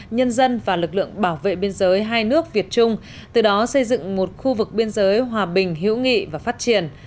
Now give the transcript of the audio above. nhân dân và lực lượng bảo vệ biên giới hai nước việt trung từ đó xây dựng một khu vực biên giới hòa bình hữu nghị và phát triển